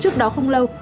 trước đó không lâu